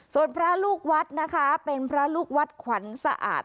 ส่วนพระลูกวัดนะคะเป็นพระลูกวัดขวัญสะอาด